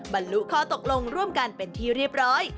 บรรลุข้อตกลงร่วมกันเป็นที่เรียบร้อย